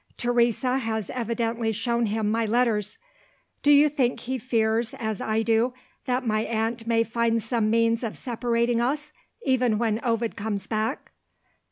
Teresa has evidently shown him my letters. Do you think he fears, as I do, that my aunt may find some means of separating us, even when Ovid comes back?"